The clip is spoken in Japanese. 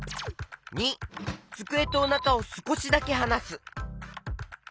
②つくえとおなかをすこしだけはなす。